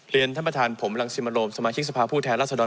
เรียนท่านประธานผมรางสิบมาลโลมสมาชิกสภาพภูเทห์ลาศดอน